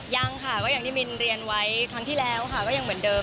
ยังค่ะก็อย่างที่มินเรียนไว้ครั้งที่แล้วค่ะก็ยังเหมือนเดิม